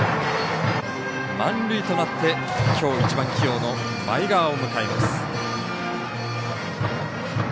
満塁となってきょう、１番起用の前川を迎えます。